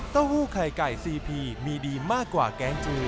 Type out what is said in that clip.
หู้ไข่ไก่ซีพีมีดีมากกว่าแกงจู